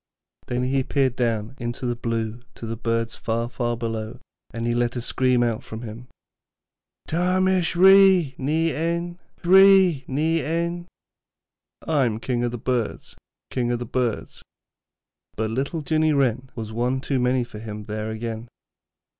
Then he peered down into the blue to the birds far, far below, and he let a scream out of him: 'Ta mish Ree ny Ein, Ree ny Ein.' 'I am King of the Birds, King of the Birds.' But little Jinny Wren was one too many for him there again.